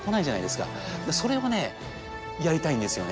それをねやりたいんですよね。